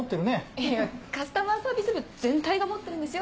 いやカスタマーサービス部全体が持ってるんですよ